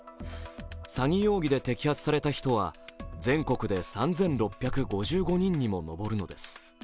詐欺容疑で摘発された人は全国で３６５５人にも上るのです。